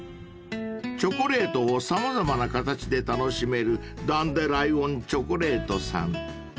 ［チョコレートを様々な形で楽しめるダンデライオン・チョコレートさん］